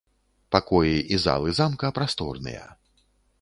Пакоі і залы замка прасторныя.